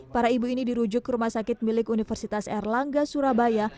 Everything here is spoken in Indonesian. para ibu ini dirujuk ke rumah sakit milik universitas erlangga surabaya